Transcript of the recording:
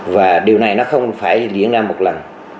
và điều này nó không phải diễn ra một lần